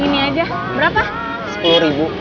aku bisa berdoa sama dia